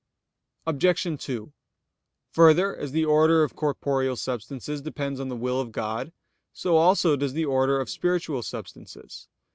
Obj. 2: Further, as the order of corporeal substances depends on the will of God, so also does the order of spiritual substances.